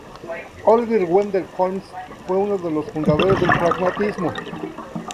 Oliver Wendell Holmes, fue uno de los fundadores del pragmatismo.